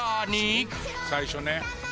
最初ね。